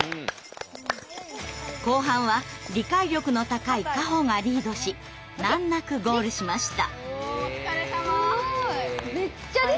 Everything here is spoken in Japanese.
後半は理解力の高いカホがリードし難なくゴールしました。